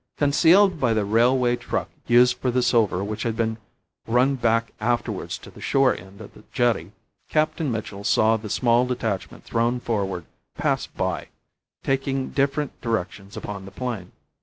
Concealed by the railway truck used for the silver, which had been run back afterwards to the shore end of the jetty, Captain Mitchell saw the small detachment thrown forward, pass by, taking different directions upon the plain.